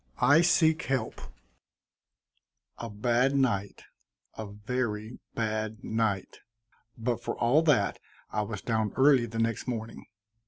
I SEEK HELP A bad night, a very bad night, but for all that I was down early the next morning.